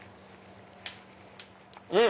うん！